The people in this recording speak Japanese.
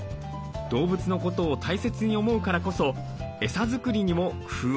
動物のことを大切に思うからこそエサ作りにも工夫を凝らします。